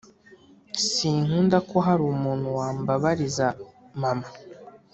sinkunda ko hari umuntu wambabariza mama